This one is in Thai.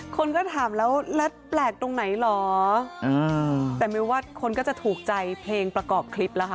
คนก็ถามแล้วและแปลกตรงไหนแต่ไม่ว่าคนก็จะถูกใจเพลงประกอบคลิป